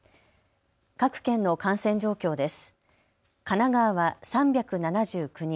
各県の感染状況です。